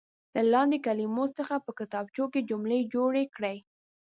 له لاندې کلمو څخه په کتابچو کې جملې جوړې کړئ.